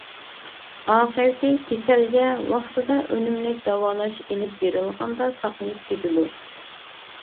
ئاقىۋىتى كېسەلگە ۋاقتىدا ئۈنۈملۈك داۋالاش ئېلىپ بېرىلغاندا ساقىيىپ كېتىدۇ.